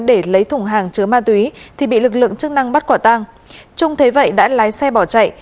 để lấy thùng hàng chứa ma túy thì bị lực lượng chức năng bắt quả tang trung thế vậy đã lái xe bỏ chạy